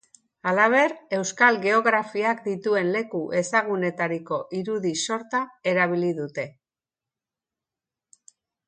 Halaber, euskal geografiak dituen leku ezagunetariko irudi sorta erabili dute.